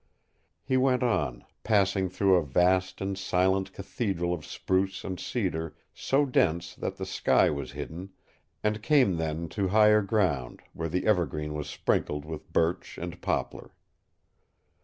He went on, passing through a vast and silent cathedral of spruce and cedar so dense that the sky was hidden, and came then to higher ground, where the evergreen was sprinkled with birch and poplar.